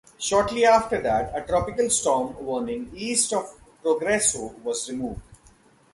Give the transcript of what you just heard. Shortly after that, a tropical storm warning east of Progreso was removed.